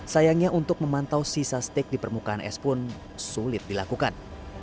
sayangnya untuk memantau sisa steak di permukaan es pun sulit dilakukan